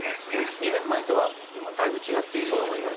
２年前とはだいぶ違っていると思います。